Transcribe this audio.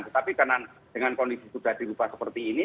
tetapi karena dengan kondisi sudah dirubah seperti ini